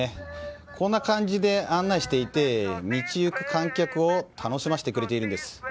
こんな感じで案内していて道行く観客を楽しませてくれているんです。